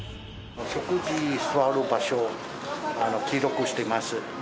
食事座る場所、記録してます。